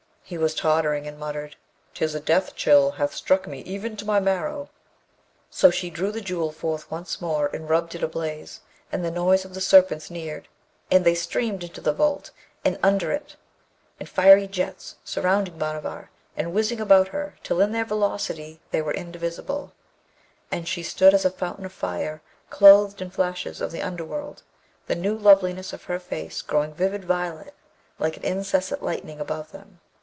He was tottering, and muttered, ''Tis a death chill hath struck me even to my marrow.' So she drew the Jewel forth once more, and rubbed it ablaze, and the noise of the Serpents neared; and they streamed into the vault and under it in fiery jets, surrounding Bhanavar, and whizzing about her till in their velocity they were indivisible; and she stood as a fountain of fire clothed in flashes of the underworld, the new loveliness of her face growing vivid violet like an incessant lightning above them.